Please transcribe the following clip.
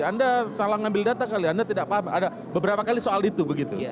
anda salah mengambil data kali anda tidak paham ada beberapa kali soal itu begitu